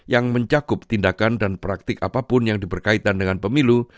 yang mencakup tindakan dan praktik apapun yang diberkaitkan dengan pemilu